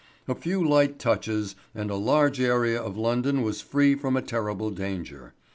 A few light touches, and a large area of London was free from a terrible danger.